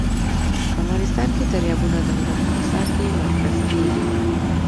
افغانستان کې دریابونه د هنر په اثار کې منعکس کېږي.